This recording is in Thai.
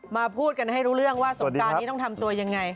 พูดกันให้รู้เรื่องว่าสงการนี้ต้องทำตัวยังไง